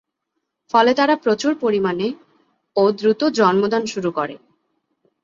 ফলে তারা প্রচুর পরিমানে ও দ্রুত জন্মদান শুরু করে।